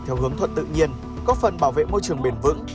theo hướng thuận tự nhiên có phần bảo vệ môi trường bền vững